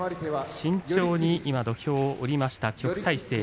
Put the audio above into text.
慎重に今、土俵を下りました旭大星